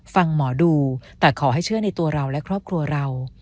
ฟังหมอดูแต่ขอให้เชื่อในตัวเราและครอบครัวเรา